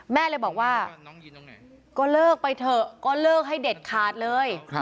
แม่เลยบอกว่าก็เลิกไปเถอะก็เลิกให้เด็ดขาดเลย